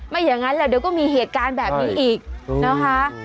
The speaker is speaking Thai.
อย่างนั้นแล้วเดี๋ยวก็มีเหตุการณ์แบบนี้อีกนะคะ